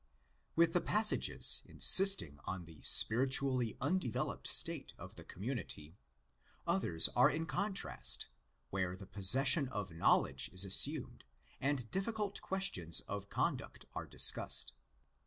With the passages insisting on the spiritually undeveloped state of the community, others are in contrast where the possession of knowledge (yvwere) is assumed and difficult questions of conduct are discussed.